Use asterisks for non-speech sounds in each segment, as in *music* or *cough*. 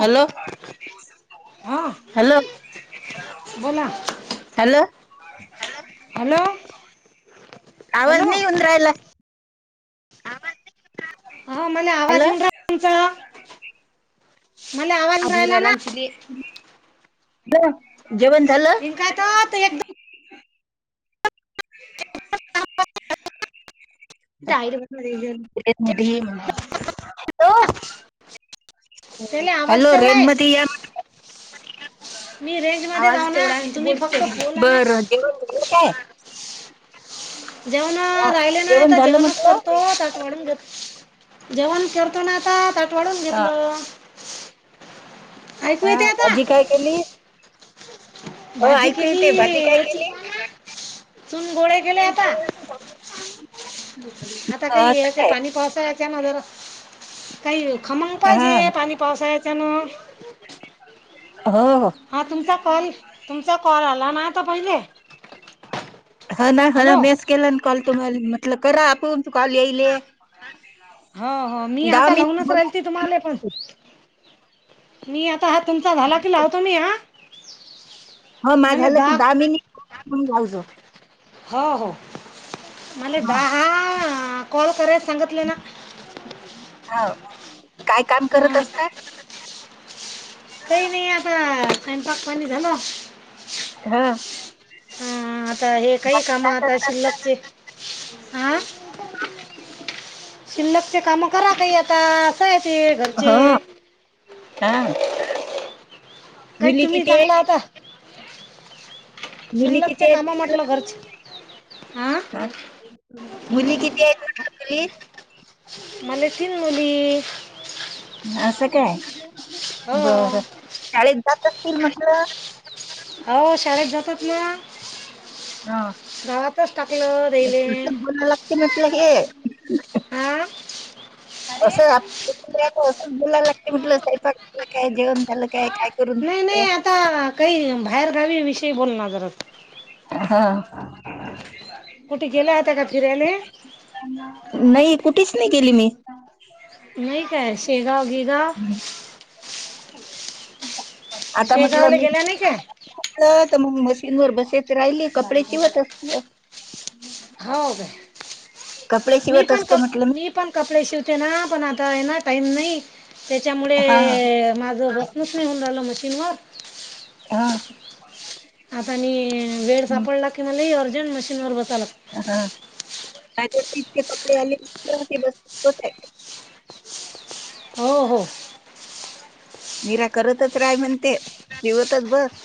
Hello. हा hello बोला hello. Hello आवाज नाही उऊन राहायला. आवाज हो मला आवाज हॅलो येऊन रा तुमचा. मला आवाज येऊन राहिला अजुरला ना अंती. हन कायता आता एकदाम. *inaudible* हो. त्याला आवाज हॅलो तेवढा रेन आहे मध्ये या. मी रेंज मध्ये आवाज जाऊ ना तेवढा आहे ते तुम्ही बोलतो फक्त बोला ना बर काय. *inaudible* जेवण हा राहिले जेवण नाता झालं जेवणच करतो म्हटलं त्या वाून घेत. जेवण कररतो ना आता त आठवडून हा घेतलं ऐकू हा येते आता भाजी काय केली? हो भाजी ऐकू केली येते भाजी काय याची केली चून गोळे गेले आता आता हा काही हे असं ते काय पाणी पावसा. त्यान जर काही खमंग हा पाहिजे पाणी पावसाय जणो हो हो हा तुमचा कल तुमचा कॉल आला ना आता पहिले हा ना, हा ना हॅलो मेस केला कॉल तुम्हाला म्हटल करा आपुन कॉल येईल ये. हो. हो. मी आता लाहूनच राहिल त तुम्हाला पण मी आता हा तुमचा झाला कि लावतो मी हा. हो माझ झालं की दहा मिनिट जाउद्या. हो. हो. मला दहा कॉल करायच सांगितलेंना. हा काय काम करत असतात? काही नाही. आता सायंपाक पाणी झालं. हा हा आता हे काही बाकी काम काय आता करत शिल्लकचे. हा *inaudible* शिल्लकचे काम करा. काही आता असं आहे ते असतात घरचे. हो हा काही मुली तुम्ही किती चांगला आहेत आता मुली किती सुल्लकच्या आहेत कामा म्हटलं घरच. हा मुली किती आहे म्हटलं तुलि? मले तिन मुली. असं काय! हो बरं. चाळीस जात असतील म्हटलं हो शाळेेत जातात ना. हा गावातच टाकलं तेले. असंच बोलायला लागते म्हटलं हे अह. *inaudible* असं आपलं बोलायला लागती म्हटलं सायपाक झालं काय? जेवण झालं काय? काय करून नाही नाही. देते? आता काही बाहेर गावी विषयी बोलणार जरा. हा. कुठे गेल्या होता का फिरायले? नाही कुठेच नाही गेली मी. नाही काय शेरा *unintelligible* आता म्हटलं शेगावला मी गेल्या नाही काय मग मशीन वर बसच राहिली कपडे शिवत असत. हो काय कपडे मी शिवत पण असतो म्हटलं कप मी. पण कपडे शिवते ना पण आता ना टाइम नाही. त्याच्यामुळे हा माझं बसनच नाही होऊन राहिलं मशीनवर. हा. आता आणि वेळ हं, सापडला कि मला अर्जेन्ट मशीन वर बसावा लागतं. काय ते टीप चे कपडे आले की बसते. लागतं. हो.... हो. मीरा करतच राय म्हणते शीवतच बस.....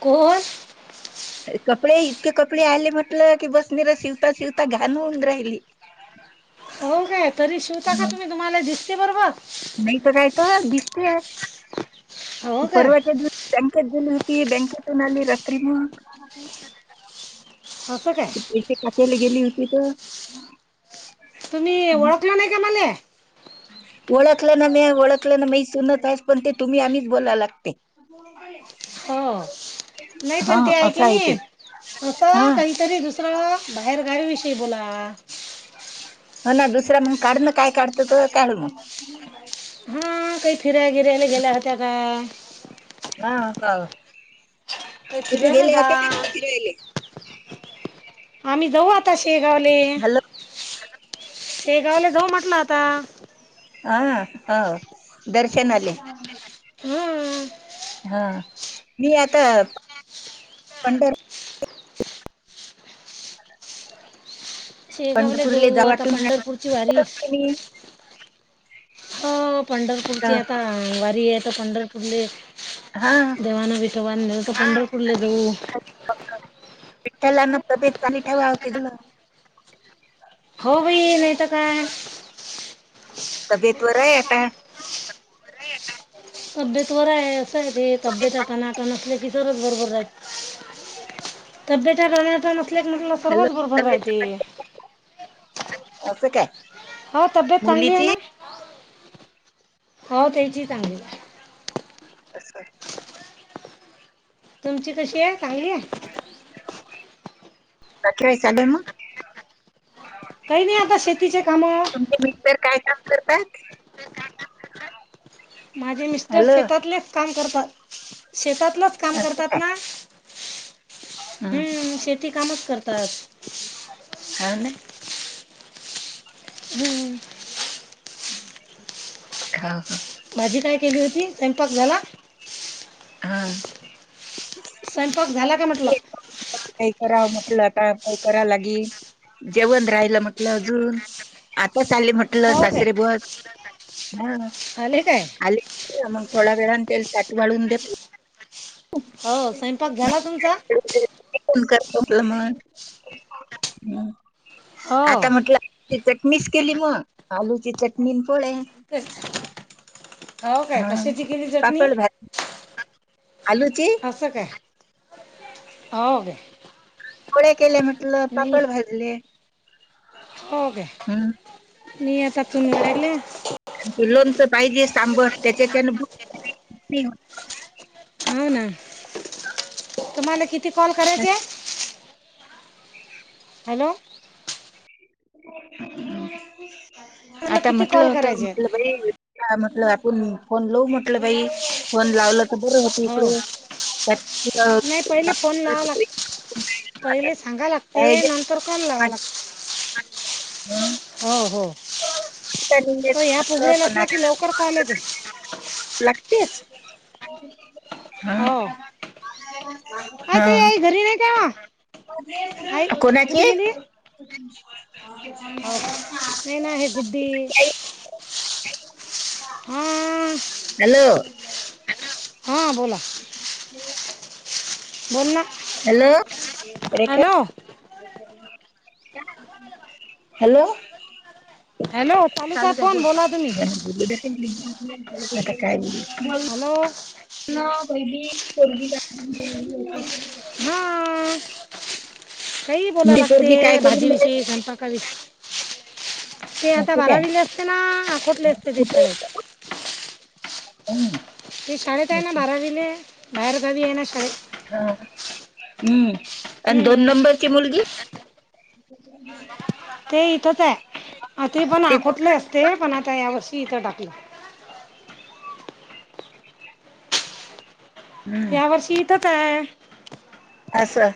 कोण? कपडे इतके कपडे आले म्हटलं, की बसणार शिवता शिवता घाण होन राहिली.... *inaudible* हो काय? तरी शिवताना का हं. तुम्ही तुम्हाला दिसते बरोबर? नाही तर काय त दिसते. हो काय परवाच्या दिवशी ब्लॅंकेट दिली होती.... ती ब्लॅंकेट घेऊन आली रात्री घेऊन. असं काय टक्याला गेली होती तर तुम्ही ओळखल नाही का मले? ओळखलं ना मी. ओळखलं ना मी. सुन ताईच पण ते तुम्ही आम्हीच बोला लागते. हो. नाही हा पण ते आहे असं की नाही. ते हा असं काहीतरी दुसरां बाहेरगावीविषयी बोला.... मला दुसरा म्हनुण काढ ना काय काढत तर काढ ना मग. हा काही फिरायला बिरायला गेल्या होत्या का? हा ह काही कुठे फिरायला गेले जा होते का फिरायले... आम्ही जाऊ आता शेगावले हॅलो शेगावले जाऊ म्हटलं आता.... हा हा हो दर्शनाली..... हम्म... हा मी आता पंढर.... शेगावला दो पंढरपूरले जा आता वाटून राहत पंढरपूरची वारी..... असते मी हो पंढरपूरची तर आता वारी आहे तर पंढरपूरले हा देवाना.... ववस पंढर फुडले द विठला नबेेतनी ठेवाव क तला हो भाई नाहीत काय? तबीेत वर आहे काय? तब्येत वर आहे असं आहे ते तब्येत आट नाटा नसल्या की तरच बरोबर रा आहे. तब्येत राहण्याच्या नसल्या क म्हटला हॅलो सर्वच बरोबर तब्येत राहते. चांगली आहे. असं का? हा तब्येत चांगली आहे ना. हो त्याची चांगली असा तुमची कशी आहे चांगली आहे. कवाय चाले म काही नाही आता शेतीचे कामं तुमचे मिक्सर काय का? करतात. माझे मिस्टर हॅलो शेतातलेच काम करतात शेतातलंच काम असं करतात काय ना. हं. हम्म शेती कामच करतात. हा ना. हम्म. हा हा. भाजी काय केली होती स्वयंपाक झाला. हा. स्वयंपाक झाला का म्हटलं. कराव म्हटलं आता काय करा लागी जेवण राहिलं म्हटलं अजून आताच आले म्हट. टलं हो सासरी काय बत आले काय आली मग थोडा वेळा तेल तट वाळून हो स्वयंपाक झाला तुमचा फन कर आपलं म्हणून आता हो म्हटलं. चटणीच केली मग आलूची चटणी पळे हो काय हा कशाची केली चटणी पापड भाज आलूची अससं का होव का?? गोळ्या केल्या म्हटलं पापड भाजले. हो काे हं. नता तुून वर गले लोणच पाहिजे सांबर त्याच्याच्यान अन तुम्हाला किती कॉल करायचे होत. आहे *inaudible* *inaudible* हॅलो. आता किती म्हटलं कॉल होत करायचे म्हटलं बाई आप आपण फोन लऊ म्हटलं बाई फोन लावलं तर बरं होत हो इकडे. नाही पहिले फोन लाव लाग. पहिले सांगा लागते नंतर कोण लावा लागत. हा. तो ह्या पुगडेल प असला की लवकर कॉल येते लागतेस. हा. आ हा तय आई घरी न केवा कोणाची? हो का नाही ना हे गुड्डी *unintelligible* हां हॅलो. हां बोला. बोल ना hello Rekha. Hello hello. Hello आहे चालूच ब फोन बोला तुम्ही का? हॅलो वैदीरगी *inaudible* हां काही बोलायला लागते भाजी विषयी स्वयपाकाविषयी ते आता असं काय बारावीले असते ना आखोटले असते तेकडे हम् ते शाळेत आहे ना बारावीले बाहेर जावी आहे ना शाळेत हम्म आणि दोन हम्म. नंबरची मुलगी ते इथच आहे ते पण आखोटले असते पण आता या वस् तीथ डाकलं हं, या वर्षी इथच आहे असं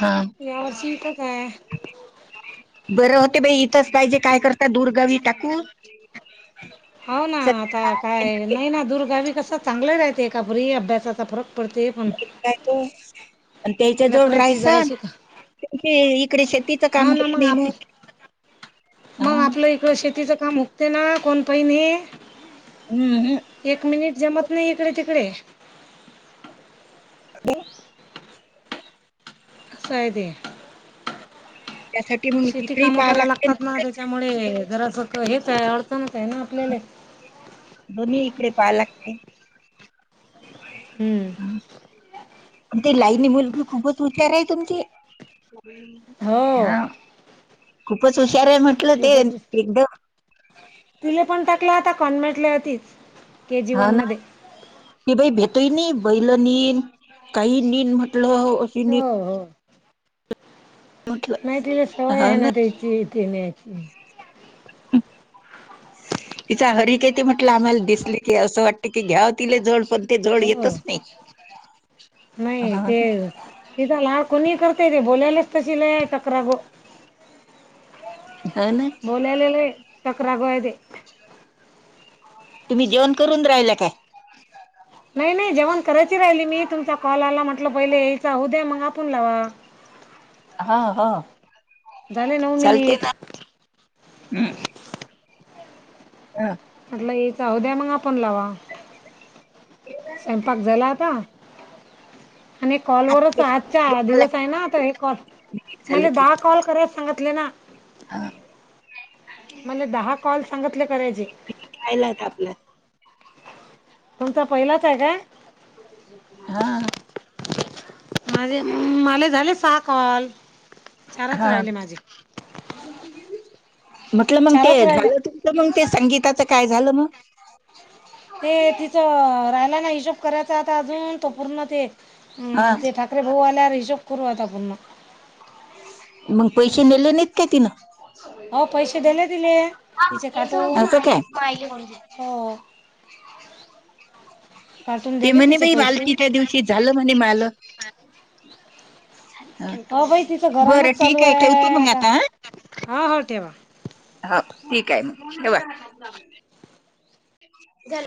हा या वर् शीता काय बरं होते बाई इथंच पाहिजे काय करता दूरगावी टाकू हो ना आता सध्या काय नाही ना दूर्गावी कसं चांगलं राहते एका फरी अभ्यासाचा फरक पडते पण ए तो आणि त्याच्या जवळ लेकराची राहायसा जराशी ते इकडे शेतीच हो काम ना करत नाही मग आपण हा. मग आपलं इकडं शेतीचं काम होत ते ना कोण पही न हं, हं. एक मिनिट जमत नाही इकडे तिकडे *inaudible* ह साय ते त्यासाठी मग शेती इकडेही कामं पाहा करायला लागते लागतात ना त्याच्यामुळे जरास हेच आहे अडचणत आहे ना आपल्याला ह हम्म ते लाईनी मुलगी खूपच हुचार आहे तुमचे हो हा खूपच खर म्हटलं ते खूपच एकदम ताकला आता कॉन्मेटल्या तीच हा ना ती बाई भेट ते नी बैल नीन काही नीन म्हटलं. अशी नीन हो हो. म्हटलं नाय तिला सवय आहे ना त्याची ती नेत नी हम तिचा हरीिकती म्हटलं आम्हाला दिसले की असं वाटते की घ्याव तिले जड हो नाही हा ते तिथ ला कोणी करतय रे बोलायलाच तशी लय कक ग हा ना बोललेले चक्र गय ते तुम्ही जेऊन करून राहिला काय नाही नाही जेवण करायची राहिली मी तुमचा कॉलला म्हंटलं पहिले यायचा उद्या मग आपण लावा हा हा झाले नऊ मिनिट हम् हा याचहू द्या मग आपण लावा स्वयंपाक झाला आता आणि कॉल वरच आजच्या बोलायला दिवस आहे ना आ हे कॉल लागते झालं मला की दहा कॉल करायच सांगतलं ना. हा मला दहा कॉल सांगतले करायचे. राहिला आता आपला तुमचा पहिलाच हाय काय? हा माझे मला झाले सहा कॉल. चारच हा राहिले माझे. म्हटलं मंग ते चारच राहिले. झालं तुमच मंग ते संगीताचं काय झालं म? ते तिचं राहिला ना हिशोब करायचा आता अजून तो पूर्ण ते अ हा ते ठाकरे भाऊ आल्यात ते हिशोब करू आता पूर्ण. मंग पैसे नेले नाहीत काय तिनं. हो पैसे दिले तिले तिचे काटून असं काय. हो *inaudible* कार्टून ते दिले म्हणे तिचे बाई पैसे वालकीच्या दिवशी झालं म्हणे माल *inaudible* ह हो बाई तिचं बरं घरानच ठीक ये ठेवतो मंग आता हं. हो हो ठेवा. हो ठीक हाय मग ठेवा.